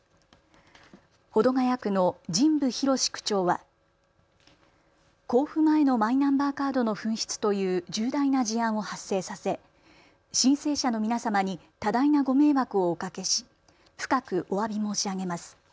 保土ケ谷区の神部浩区長は交付前のマイナンバーカードの紛失という重大な事案を発生させ申請者の皆様に多大なご迷惑をおかけし深くおわび申し上げます。